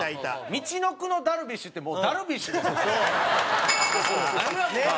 「みちのくのダルビッシュ」ってもうダルビッシュですよねそれは。